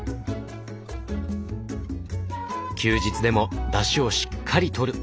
休日でもだしをしっかりとる。